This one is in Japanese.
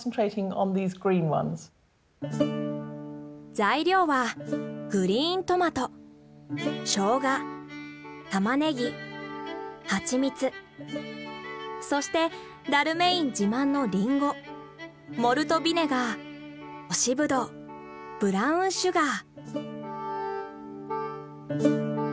材料はグリーントマトショウガタマネギハチミツそしてダルメイン自慢のリンゴモルトビネガー干しブドウブラウンシュガー。